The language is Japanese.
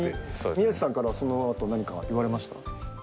宮内さんからはその後何か言われました？